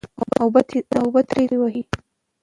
اوبو ترې دارې وهلې. .